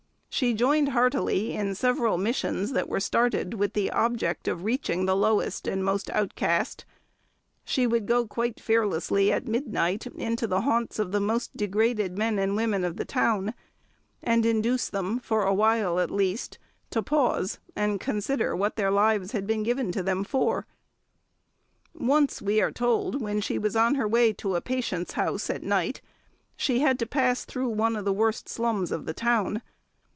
She joined heartily in several missions that were started with the object of reaching the lowest and most outcast; she would go quite fearlessly at midnight into the haunts of the most degraded men and women of the town, and induce them, for a while at least, to pause and consider what their lives had been given to them for. Once, we are told, when she was on her way to a patient's house at night, she had to pass through one of the worst slums of the town.